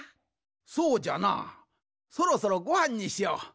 そうじゃなそろそろごはんにしよう。